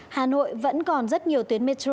hà nội vẫn còn rất nhiều tuyến metro